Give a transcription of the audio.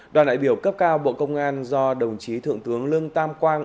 đoàn đại biểu cấp cao bộ công an do đồng chí thượng tướng lương tam quang